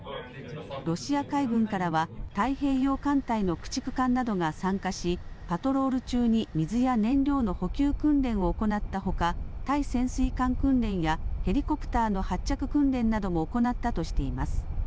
ロシア海軍からは、太平洋艦隊の駆逐艦などが参加し、パトロール中に水や燃料の補給訓練を行ったほか、対潜水艦訓練や、ヘリコプターの発着訓練なども行ったとしています。